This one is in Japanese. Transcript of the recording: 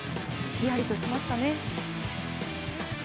ひやりとしましたね。